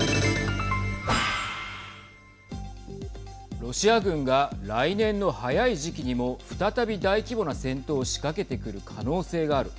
ロシア軍が来年の早い時期にも再び大規模な戦闘を仕掛けてくる可能性がある。